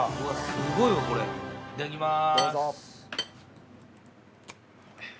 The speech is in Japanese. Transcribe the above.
スゴいわこれいただきまーす